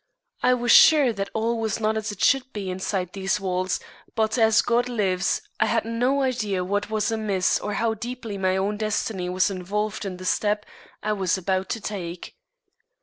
I was sure that all was not as it should be inside these walls, but, as God lives, I had no idea what was amiss or how deeply my own destiny was involved in the step I was about to take.